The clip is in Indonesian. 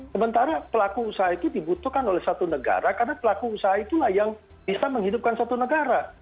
sementara pelaku usaha itu dibutuhkan oleh satu negara karena pelaku usaha itulah yang bisa menghidupkan satu negara